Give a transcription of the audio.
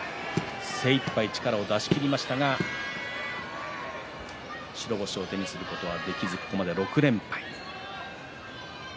精いっぱい力を出し切りましたが白星を手にすることはできずここまで６連敗。